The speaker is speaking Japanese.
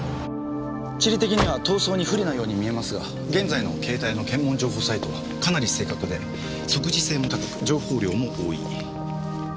地理的には逃走に不利なように見えますが現在の携帯の検問情報サイトはかなり正確で即時性も高く情報量も多い。